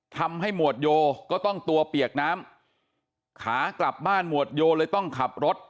หมวดโยก็ต้องตัวเปียกน้ำขากลับบ้านหมวดโยเลยต้องขับรถ